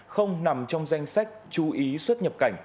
không nằm trong danh sách chú ý xuất nhập cảnh